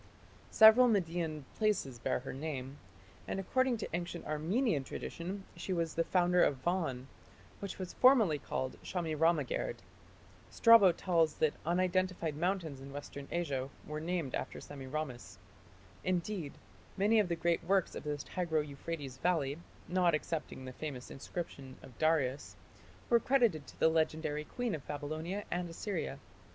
Several Median places bear her name, and according to ancient Armenian tradition she was the founder of Van, which was formerly called "Shamiramagerd". Strabo tells that unidentified mountains in Western Asia were named after Semiramis. Indeed, many of the great works in the Tigro Euphrates valley, not excepting the famous inscription of Darius, were credited to the legendary queen of Babylonia and Assyria.